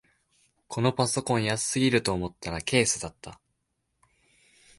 このパソコン安すぎると思ったらケースだった